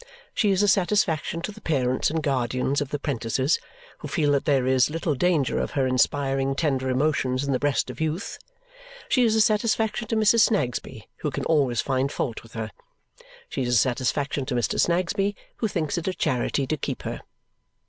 She is a satisfaction to the parents and guardians of the 'prentices, who feel that there is little danger of her inspiring tender emotions in the breast of youth; she is a satisfaction to Mrs. Snagsby, who can always find fault with her; she is a satisfaction to Mr. Snagsby, who thinks it a charity to keep her.